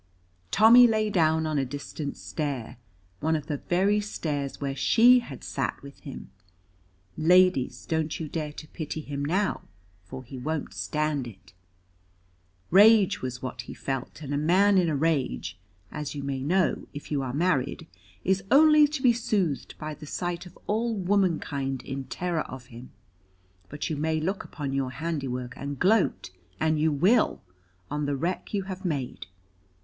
Tommy lay down on a distant stair, one of the very stairs where she had sat with him. Ladies, don't you dare to pity him now, for he won't stand it. Rage was what he felt, and a man in a rage (as you may know if you are married) is only to be soothed by the sight of all womankind in terror of him. But you may look upon your handiwork, and gloat, an you will, on the wreck you have made.